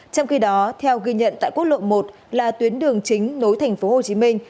trong khi đó theo ghi nhận tại quốc lộ một là tuyến đường chính nối thành phố hồ chí minh